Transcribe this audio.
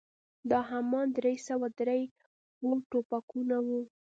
دا همان درې سوه درې بور ټوپکونه وو.